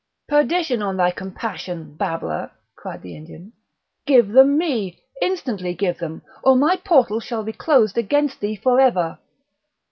"Perdition on thy compassion, babbler!" cried the Indian. "Give them me, instantly give them, or my portal shall be closed against thee for ever!"